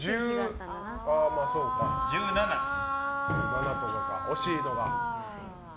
１７か、惜しいのが。